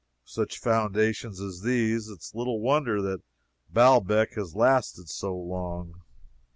With such foundations as these, it is little wonder that Baalbec has lasted so long.